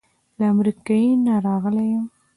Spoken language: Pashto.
له امریکې نه راغلی یم.